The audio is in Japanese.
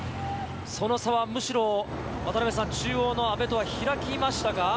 その差はむしろ中央の阿部とは開きましたか？